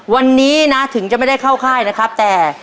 วันนี้นะถึงจะไม่ได้เข้าค่ายนะครับแต่